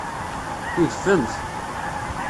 Tudfemt.